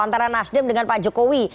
antara nasdem dengan pak jokowi